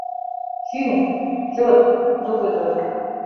Чӱҥ — чот, нугыдо.